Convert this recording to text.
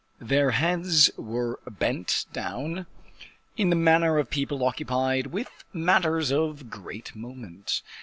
Their heads were bent down in the manner of people occupied with matters of great moment.